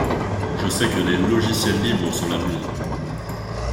Je sais que les logiciels libres sont l'avenir.